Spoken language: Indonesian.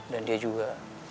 dan dia juga